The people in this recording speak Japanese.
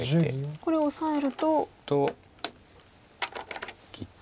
これオサえると。と切って。